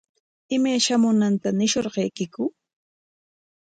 ¿Imay shamunanta ñishunqaykiku?